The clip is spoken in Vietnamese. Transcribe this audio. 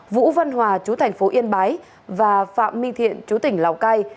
vũ văn hòa chú thành phố yên bái và phạm minh thiện chú tỉnh lào cai